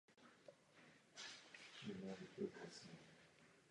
Plyn byl vyráběn z uhlí a byl používán pro pouliční osvětlení.